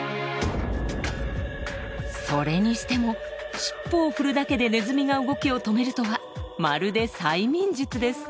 それにしても尻尾を振るだけでネズミが動きを止めるとはまるで催眠術です。